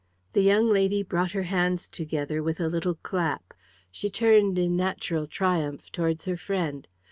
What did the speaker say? The young lady brought her hands together with a little clap. She turned in natural triumph towards her friend.